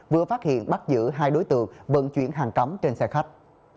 vừa phát hiện bắt giữ hai đối tượng vận chuyển hàng cấm trên xe khách